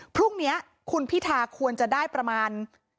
พรุ่งนี้คุณพิธาควรจะได้ประมาณ